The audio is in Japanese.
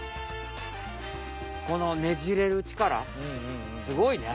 このねじれるちからすごいね！